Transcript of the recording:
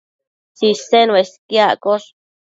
Tsisen uesquiaccosh